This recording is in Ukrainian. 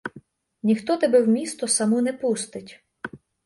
Ніхто тебе в місто саму не пустить.